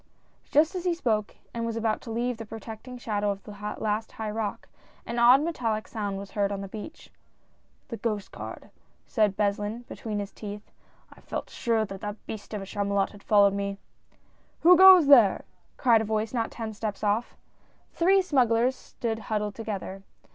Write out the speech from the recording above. Just as he spoke and was about to leave the protect ing shadow of the last high rock, an odd metallic sound was heard on the beach. " The Coast Guard," said Beslin, between his teeth. "I felt sure that beast of a Chamulot had followed me !"" Who goes there !" cried a voice not ten steps off. The three smugglers stood huddled together.